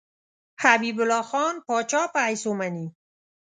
حبیب الله خان پاچا په حیث ومني.